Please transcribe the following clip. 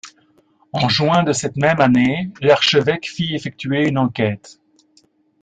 En juin de cette même année, l'archevêque fit effectuer une enquête.